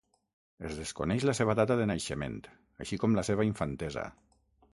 Es desconeix la seva data de naixement, així com la seva infantesa.